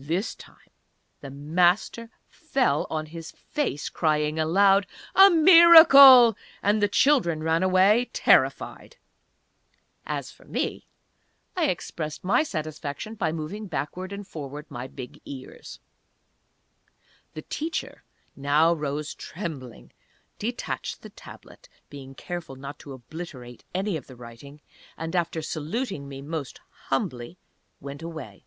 This time the Master fell on his face, crying out, "A Miracle" and the children ran away, terrified. As for me, I expressed my satisfaction by moving backward and forward my big ears. The Teacher now rose trembling, detached the Tablet (being careful not to obliterate any of the writing), and, after saluting me most humbly, went away.